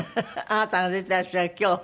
あなたが出てらっしゃる今日？